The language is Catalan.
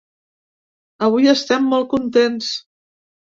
Avui estem molt contents.